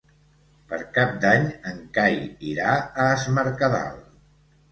Per Cap d'Any en Cai irà a Es Mercadal.